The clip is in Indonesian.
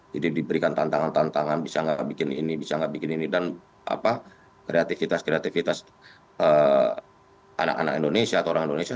jadi diberikan tantangan tantangan bisa nggak bikin ini bisa nggak bikin ini dan kreativitas kreativitas anak anak indonesia atau orang indonesia